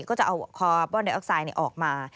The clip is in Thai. ก็จะเอาคอบอนไอออกไซด์ออกมา